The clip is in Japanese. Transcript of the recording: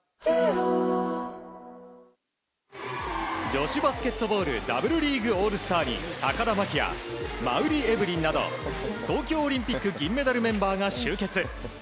女子バスケットボールＷリーグオールスターに高田真希や馬瓜エブリンなど東京オリンピック銀メダルメンバーが集結。